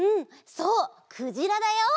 そうくじらだよ！